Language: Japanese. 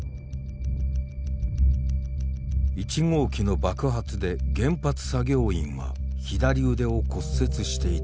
１号機の爆発で原発作業員は左腕を骨折していた。